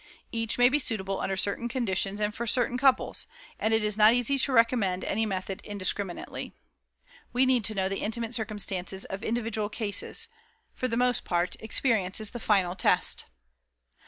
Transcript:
Each may be suitable under certain conditions and for certain couples, and it is not easy to recommend any method indiscriminately. We need to know the intimate circumstances of individual cases. For the most part, experience is the final test.